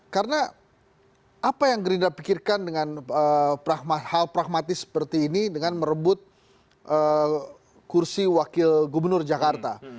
karena apa yang gerindra pikirkan dengan hal pragmatis seperti ini dengan merebut kursi wakil gubernur jakarta